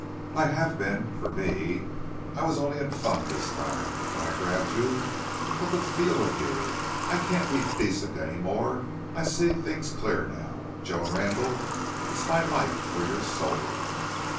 "I have been for me. I was only in fun this time when I grabbed you. But the FEEL of you!... I can't be decent any more. I see things clear now.... Joan Randle, it's my life or your soul!"